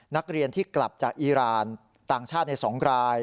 นักเรียนที่กลับจากอีรานต่างชาติใน๒ราย